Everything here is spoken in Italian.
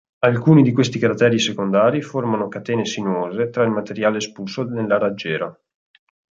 Alcuni di questi crateri secondari formano catene sinuose tra il materiale espulso nella raggiera.